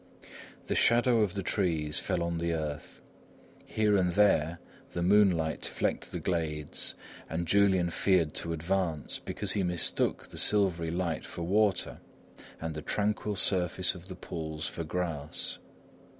The shadow of the trees fell on the earth. Here and there, the moonlight flecked the glades and Julian feared to advance, because he mistook the silvery light for water and the tranquil surface of the pools for grass.